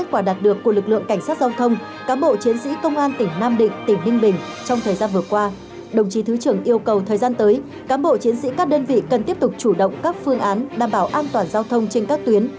cảm bộ chiến sĩ các đơn vị cần tiếp tục chủ động các phương án đảm bảo an toàn giao thông trên các tuyến